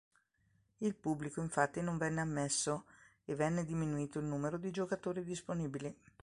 Il pubblico infatti non venne ammesso, e venne diminuito il numero di giocatori disponibili.